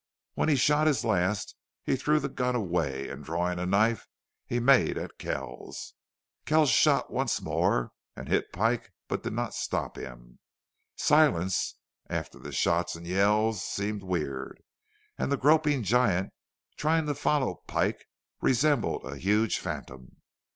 When he shot his last he threw the gun away, and, drawing a knife, he made at Kells. Kells shot once more, and hit Pike, but did not stop him. Silence, after the shots and yells, seemed weird, and the groping giant, trying to follow Pike, resembled a huge phantom.